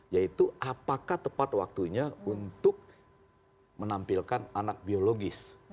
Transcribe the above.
yaitu apakah tepat waktunya untuk menampilkan anak biologis